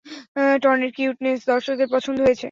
টনির cuteness দর্শকদের পছন্দ হয়েছে।